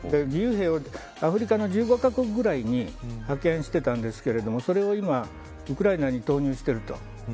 義勇兵をアフリカの１５か国ぐらいに派遣していたんですがそれを今ウクライナに投入していると。